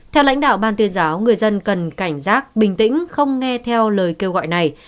theo lãnh đạo ban tuyên giáo người dân cần cảnh giác bình tĩnh không nghe theo lời kêu gọi này